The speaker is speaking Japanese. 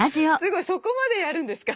そこまでやるんですか？